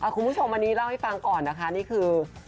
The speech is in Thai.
คุณผู้ชมอันนี้เล่าให้ฟังก่อนนะคะนี่คือ